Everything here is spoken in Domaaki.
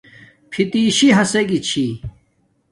فتیسی ھسگی چھی